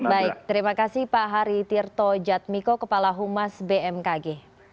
baik terima kasih pak hari tirto jatmiko kepala humas bmkg